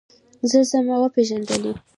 ځه ځه ما وپېژندلې.